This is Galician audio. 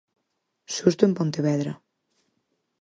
Susto en Pontevedra.